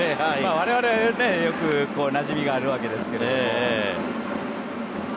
我々はよくなじみがあるわけですが。